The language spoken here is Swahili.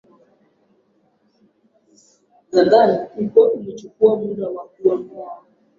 Nyama ya nguruwe ni nyama inayopatikana kutoka kwa nguruwe.